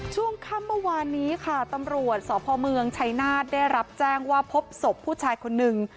ช่วงค่ำเมื่อวานนี้ค่ะตำรวจสพเมืองชัยนาธได้รับแจ้งว่าพบศพผู้ชายคนนึง